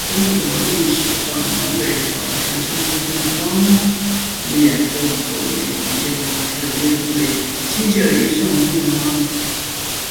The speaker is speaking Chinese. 中国历史上南北朝时期出现的方板链泵作为一种链泵是泵类机械的一项重要发明。